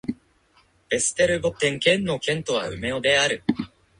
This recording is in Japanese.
ヴェステルボッテン県の県都はウメオである